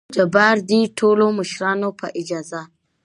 جبار : دې ټولو مشرانو په اجازه!